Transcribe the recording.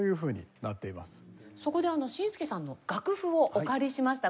そこでＳＩＮＳＫＥさんの楽譜をお借りしました。